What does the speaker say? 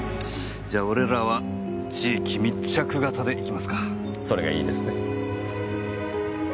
じゃ俺らは地域密着型でいきますか。それがいいですね。